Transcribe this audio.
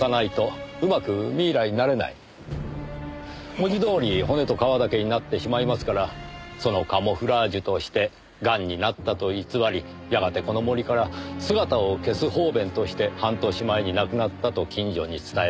文字どおり骨と皮だけになってしまいますからそのカムフラージュとしてガンになったと偽りやがてこの森から姿を消す方便として半年前に亡くなったと近所に伝えた。